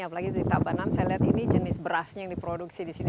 apalagi di tabanan saya lihat ini jenis berasnya yang diproduksi di sini